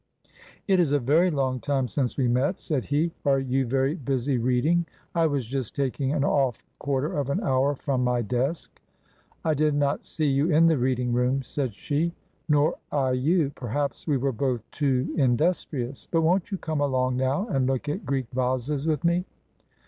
" It is a very long time since we met," said he. " Are you very busy reading ? I was just taking an off quarter of an hour from my desk." I did not see you in the reading room," said she. Nor I you. Perhaps we were both too industrious. But won't you come along now and look at Greek vases with me